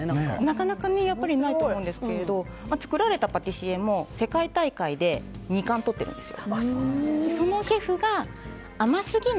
なかなかないと思うんですけど作られたパティシエも世界大会で２冠を取ってるんです。